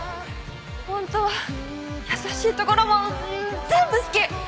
本当は優しいところも全部好き！